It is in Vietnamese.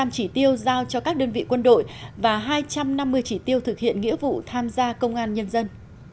một mươi chỉ tiêu giao cho các đơn vị quân đội và hai trăm năm mươi chỉ tiêu thực hiện nghĩa vụ tham gia công an nhân dân